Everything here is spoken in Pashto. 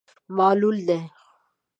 معلول دی.